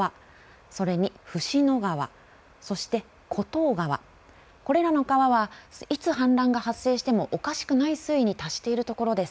それに椹野川そして厚東川これらの川は、いつ氾濫が発生してもおかしくない水位に達しているところです。